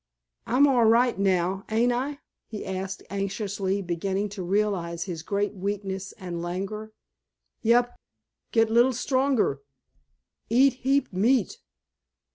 "I'm all right now, ain't I?" he asked anxiously, beginning to realize his great weakness and languor. "Yep. Get li'l stronger. Eat heap meat."